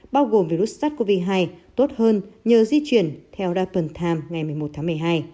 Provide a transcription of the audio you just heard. bao gồm virus sars cov hai tốt hơn nhờ di chuyển theo đa phần tham ngày một mươi một tháng một mươi hai